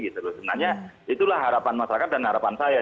sebenarnya itulah harapan masyarakat dan harapan saya